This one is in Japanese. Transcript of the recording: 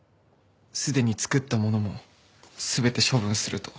すでに作ったものも全て処分すると。